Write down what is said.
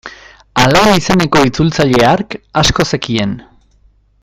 Alain izeneko itzultzaile hark asko zekien.